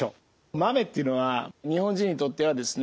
豆っていうのは日本人にとってはですね